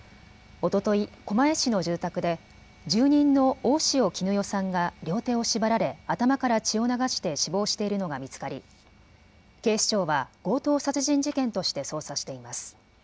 おととい、狛江市の住宅で住人の大塩衣與さんが両手を縛られ頭から血を流して死亡しているのが見つかり警視庁は強盗殺人事件として捜査しています。